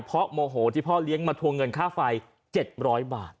เพราะโมโหที่พ่อเลี้ยงแบบมาทวงเงินค่าไฟเจ็ดร้อยบาท